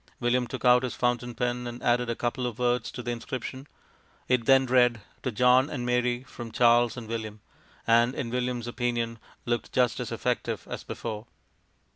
William took out his fountain pen and added a couple of words to the inscription. It then read, "To John and Mary from Charles and William," and in William's opinion looked just as effective as before.